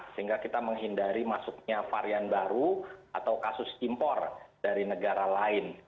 sehingga kita menghindari masuknya varian baru atau kasus impor dari negara lain